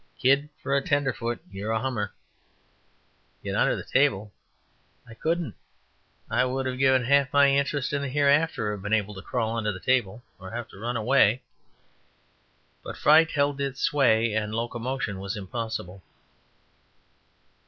Kid, for a tenderfoot, you're a hummer." Get under the table! I couldn't. I would have given half my interest in the hereafter to have been able to crawl under the table or to have run away. But fright held its sway, and locomotion was impossible.